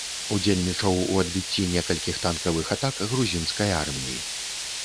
Удзельнічаў у адбіцці некалькіх танкавых атак грузінскай арміі.